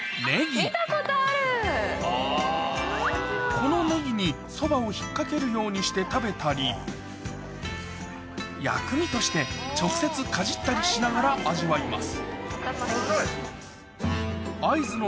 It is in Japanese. このネギにそばを引っ掛けるようにして食べたり薬味として直接かじったりしながら味わいます